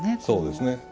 そうですね。